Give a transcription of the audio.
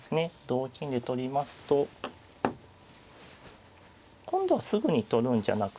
同金で取りますと今度はすぐに取るんじゃなくてですね